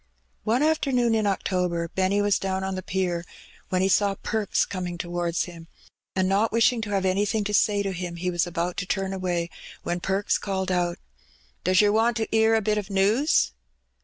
One afternoon in October Benny was down on the pier, when he saw Perks coming towards him, and not wishing to have anything to say to him, he was about to turn away, when Perks called out — "Does yer want to ^ear a bit o^ news?